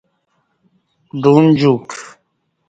ڈون جوک